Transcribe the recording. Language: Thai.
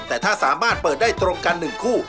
แต่ถ้าสามารถเปิดได้ตรงกัน๑คู่